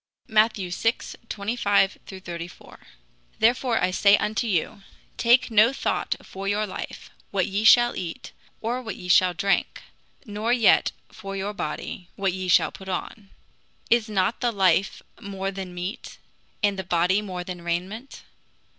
] Matt. vi. 25 34: "Therefore I say unto you, Take no thought for your life, what ye shall eat, or what ye shall drink; nor yet for your body, what ye shall put on. Is not the life more than meat, and the body than rainment?